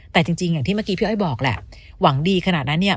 แต่จริงอย่างที่เมื่อกี้พี่อ้อยบอกแหละหวังดีขนาดนั้นเนี่ย